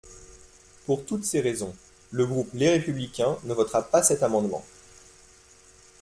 Pour toutes ces raisons, le groupe Les Républicains ne votera pas cet amendement.